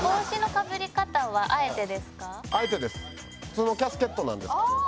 普通のキャスケットなんですけど。